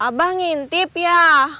abah ngintip ya